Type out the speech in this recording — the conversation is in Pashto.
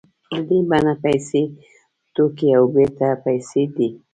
د دې بڼه پیسې توکي او بېرته پیسې دي